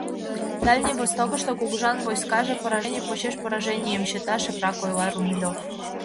Дальний Востокышто кугыжан войскаже поражений почеш пораженийым чыта, — шыпрак ойла Румелёв.